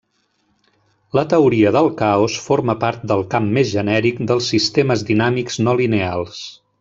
La teoria del caos forma part del camp més genèric dels sistemes dinàmics no lineals.